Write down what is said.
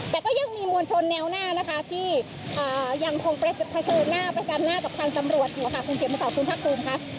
แต่ก็ยังมีมวลชนแนวหน้านะคะที่ยังคงเผชิญหน้าประกันหน้ากับทางตำรวจอยู่ค่ะคุณเขียนมาสอนคุณภาคภูมิค่ะ